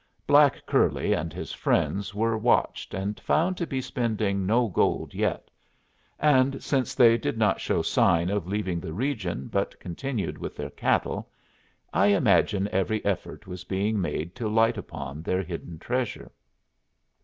Black curly and his friends were watched, and found to be spending no gold yet; and since they did not show sign of leaving the region, but continued with their cattle, I imagine every effort was being made to light upon their hidden treasure.